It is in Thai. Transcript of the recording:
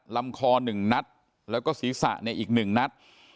ลำคอ๑นัดแล้วก็ศีรษะอีก๑นัด